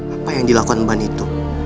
apa yang dilakukan ban itu